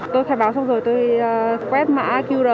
tôi khai báo xong rồi tôi quét mã qr